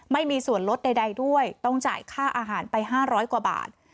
ไม่มีส่วนลดใดด้วยต้องจ่ายค่าอาหารไป๕๐๐กว่าบาท